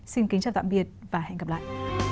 xin kính chào tạm biệt và hẹn gặp lại